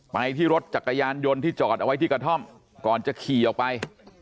ไปที่รถจักรยานยนต์ที่จอดเอาไว้ที่กระท่อมก่อนจะขี่ออกไป